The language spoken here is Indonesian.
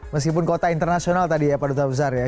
meskipun kota internasional tadi ya pak duta besar ya